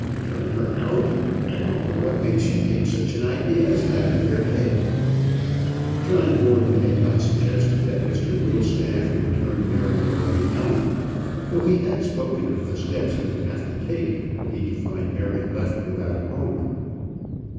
"Turn her out! I don't know what makes you take such an idea as that in your head." John Gordon had not suggested that Mr Whittlestaff would turn Mary Lawrie out, though he had spoken of the steps he would have to take were he to find Mary left without a home.